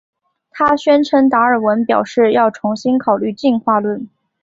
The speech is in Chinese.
她宣称达尔文表示要重新考虑进化论。